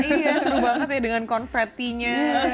iya seru banget ya dengan konfetti nya